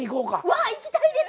わあ行きたいです。